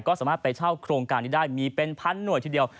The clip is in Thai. ก็สามารถไปเช่าโครงการนี้ได้มีเป็นพันหน่วยทีเดียว